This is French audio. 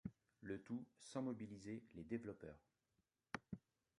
Le tout sans mobiliser les développeurs.